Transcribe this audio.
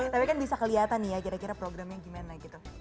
tapi kan bisa kelihatan ya programnya gimana